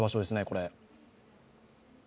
これ。